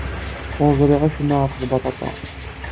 Ur ẓṛiɣ acemma ɣef lbaṭaṭa.